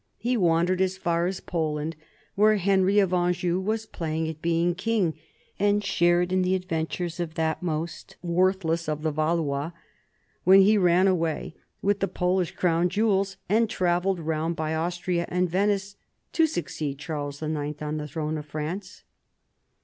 He wandered as far as Poland, where Henry of Anjou was playing at being King, and shared in the adventures of that most worthless of the Valois when he ran away with the Polish crown jewels and travelled round by Austria and Venice to succeed Charles IX on the throne of France.